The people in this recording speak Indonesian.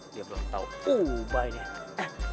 dia belum tahu ubah ini